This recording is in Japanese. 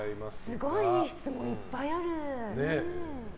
すごい質問がいっぱいある。